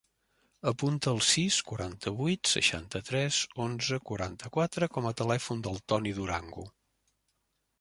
Apunta el sis, quaranta-vuit, seixanta-tres, onze, quaranta-quatre com a telèfon del Toni Durango.